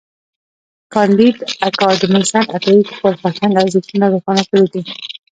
کانديد اکاډميسن عطايي د خپل فرهنګ ارزښتونه روښانه کړي دي.